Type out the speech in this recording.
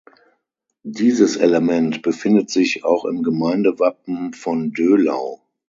Dieses Element befindet sich auch im Gemeindewappen von Döhlau.